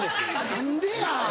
何でや。